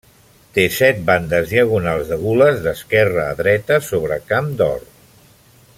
Té set bandes diagonals de gules, d'esquerra a dreta, sobre camp d'or.